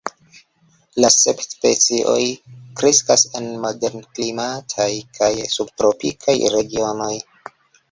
La sep specioj kreskas en moderklimataj kaj subtropikaj regionoj.